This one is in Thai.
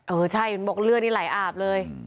เออใช่เห็นบอกเลือดนี่ไหลอาบเลย